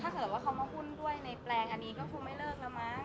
ถ้าเกิดว่าเขามาหุ้นด้วยในแปลงอันนี้ก็คงไม่เลิกแล้วมั้ง